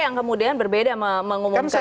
yang kemudian berbeda mengumumkan